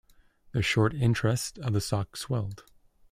The short interest of the stock swelled.